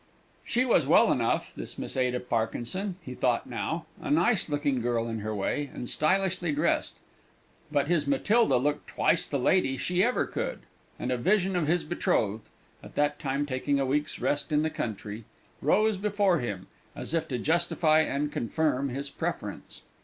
She was well enough, this Miss Ada Parkinson, he thought now; a nice looking girl in her way, and stylishly dressed. But his Matilda looked twice the lady she ever could, and a vision of his betrothed (at that time taking a week's rest in the country) rose before him, as if to justify and confirm his preference.